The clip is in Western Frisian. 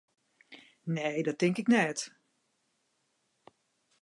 Nee, dat tink ik net.